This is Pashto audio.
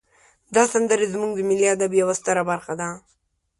دا سندرې زمونږ د ملی ادب یوه ستره برخه ده.